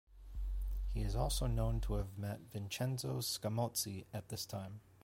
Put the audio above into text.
He is also known to have met Vincenzo Scamozzi at this time.